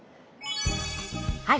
はい。